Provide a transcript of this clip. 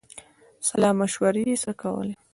سلامشورې یې سره کولې.